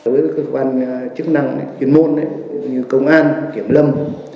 với cơ quan chức năng chuyên môn như công an kiểm lâm